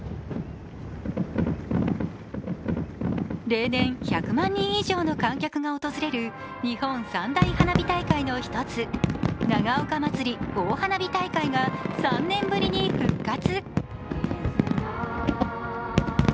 例年１００万人以上の観客が訪れる日本三大花火大会の１つ、長岡まつり大花火大会が３年ぶりに復活。